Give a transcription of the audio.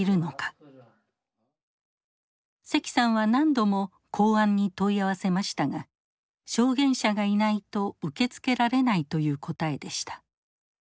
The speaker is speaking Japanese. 石さんは何度も公安に問い合わせましたが証言者がいないと受け付けられないという答えでした。